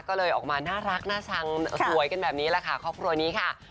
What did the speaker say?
ก็เลยออกมาน่ารักน่าชังสวยกันแบบนี้แหละค่ะครอบครัวนี้ค่ะ